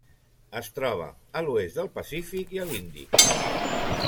Es troba a l'oest del Pacífic i a l'Índic.